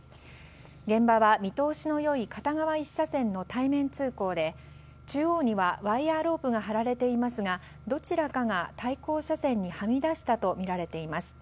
現場は見通しの良い片側１車線の対面通行で中央にはワイヤロープが張られていますがどちらかが対向車線にはみ出したとみられています。